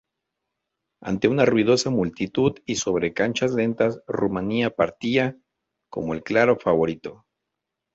Ante una ruidosa multitud y sobre canchas lentas, Rumanía partía como el claro favorito.